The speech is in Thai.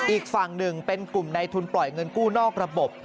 อีกฝั่งหนึ่งเป็นกลุ่มในทุนปล่อยเงินกู้นอกระบบ